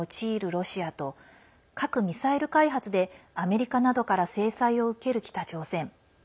ロシアと核・ミサイル開発でアメリカなどから制裁を受ける北朝鮮。